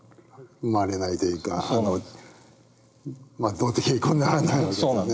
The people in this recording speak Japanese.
動的平衡にならない訳ですよね。